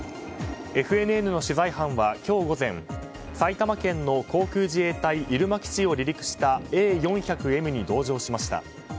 ＦＮＮの取材班が今日午前埼玉県の航空自衛隊入間基地を離陸したＡ４００Ｍに同乗しました。